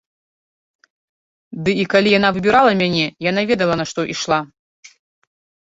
Ды і калі яна выбірала мяне, яна ведала на што ішла.